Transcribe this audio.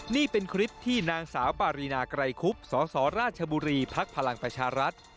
นี่เป็นคลิปที่นางสาวปารีนาไกรคุบสสราชบุรีภักดิ์พลังประชารัฐ